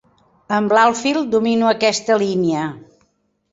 Amb l'alfil domino aquesta línia.